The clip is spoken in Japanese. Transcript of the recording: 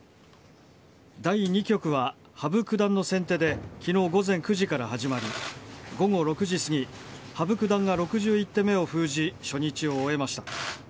第２局は羽生九段の先手で昨日午前９時から始まり午後６時すぎ羽生九段が６１手目を封じ初日を終えました。